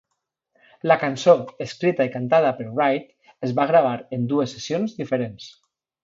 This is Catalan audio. La cançó, escrita i cantada per Wright, es va gravar en dues sessions diferents.